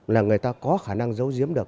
là người ta có khả năng giấu giếm được